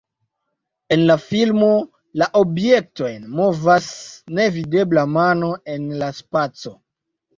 En la filmo, la objektojn movas nevidebla mano en la spaco.